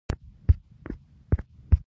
دا نښې او علامې درې رنګونه لري.